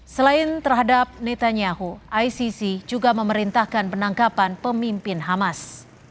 selain terhadap netanyaho icc juga memerintahkan penangkapan pemimpin hamas